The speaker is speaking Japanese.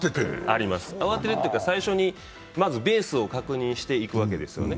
慌てるというか最初にまずベースを確認して行くわけですよね。